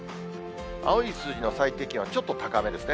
青い数字の最低気温、ちょっと高めですね。